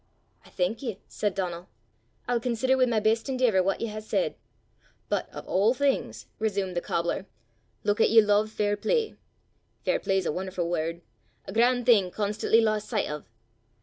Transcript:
"I thank ye," said Donal. "I'll consider wi' my best endeevour what ye hae said." "But o' a' things," resumed the cobbler, "luik 'at ye lo'e fairplay. Fairplay 's a won'erfu' word a gran' thing constantly lost sicht o'.